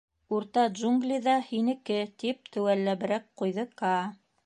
— Урта Джунгли ҙа һинеке, — тип теүәлләберәк ҡуйҙы Каа.